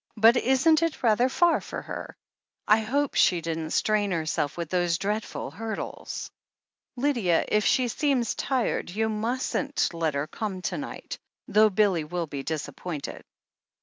"But isn't it rather far for her? I hope she didn't strain herself with those dreadful hurdles. Lydia, if she seems tired, you mustn't let her come to night, though Billy will be disappointed."